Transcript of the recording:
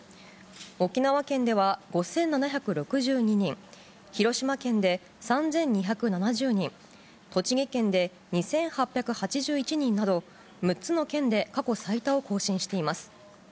沖縄県では５７６２人、広島県で３２７０人、栃木県で２８８１人など、６つの県で過去最多を更新しています。